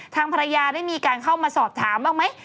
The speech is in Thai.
ทางภรรยาได้มีการเข้ามาสอบถามบ้างไหม